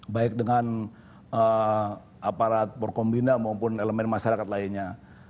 baik dengan aparat porkombina maupun elemen masyarakat lainnya